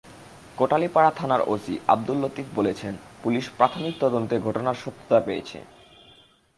কোটালীপাড়া থানার ওসি আবদুল লতিফ বলেছেন, পুলিশ প্রাথমিক তদন্তে ঘটনার সত্যতা পেয়েছে।